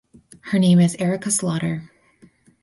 Her name is Erica Slaughter.